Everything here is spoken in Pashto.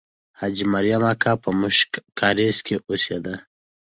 حاجي مریم اکا په موشک کارېز کې اوسېده.